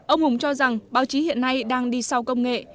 ông hùng cho rằng báo chí hiện nay đang đi sau công nghệ